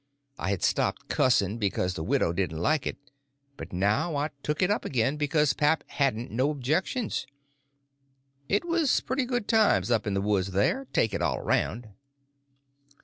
I had stopped cussing, because the widow didn't like it; but now I took to it again because pap hadn't no objections. It was pretty good times up in the woods there, take it all around.